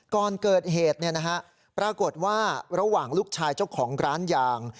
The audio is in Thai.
ก่อนเกิดเหตุปรากฏว่าระหว่างลูกชายเจ้าของร้านยาง